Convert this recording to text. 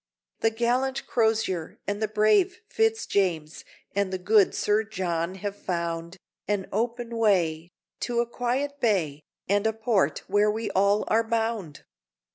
The gallant Crozier, and brave Fitz James, And the good Sir John have found An open way, to a quiet bay, And a port where we all are bound!